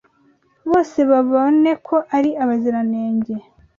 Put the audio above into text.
bose bababone ko ari abaziranenge.